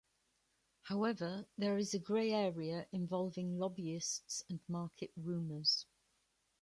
However, there is a grey area involving lobbyists and market rumours.